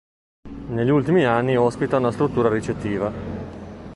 Negli ultimi anni ospita una struttura ricettiva.